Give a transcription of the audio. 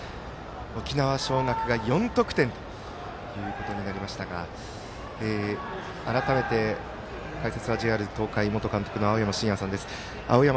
沖縄尚学が４得点ということになりましたが改めて、解説はＪＲ東海元監督の青山眞也さんです。